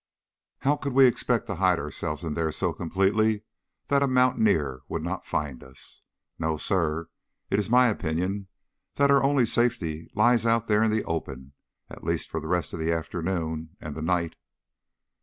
"How could we expect to hide ourselves in there so completely that a mountaineer would not find us? No, sir, it is my opinion that our only safety lies out there in the open, at least for the rest of the afternoon and the night."